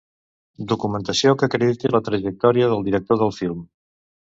Documentació que acrediti la trajectòria del director del film.